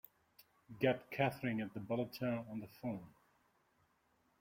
Get Katherine at the Bulletin on the phone!